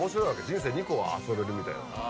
人生２個遊べるみたいな。